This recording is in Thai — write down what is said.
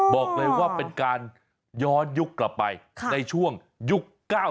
บอกเลยว่าเป็นการย้อนยุคกลับไปในช่วงยุค๙๑